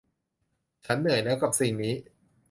ฉันเหนื่อยแล้วกับสิ่งนี้